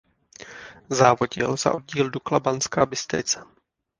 Závodil za oddíl Dukla Banská Bystrica.